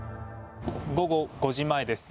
午後５時前です。